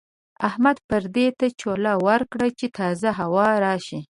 احمد پردې ته چوله ورکړه چې تازه هوا راشي.